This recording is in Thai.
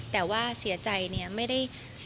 แต่ว่าเสียใจเนี่ยไม่ได้